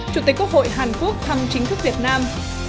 chủ tịch quốc hội hàn quốc thăm chính thức việt nam